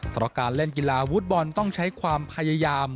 เพราะการเล่นกีฬาฟุตบอลต้องใช้ความพยายาม